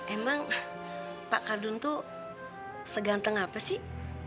emang pak kadun itu seganteng apa sih